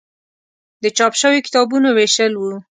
د چاپ شویو کتابونو ویشل و.